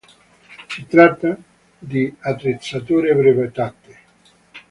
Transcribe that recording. Si tratta di attrezzature brevettate.